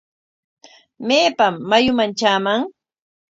¿Maypam mayuman traaman?